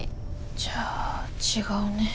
じゃあ違うね。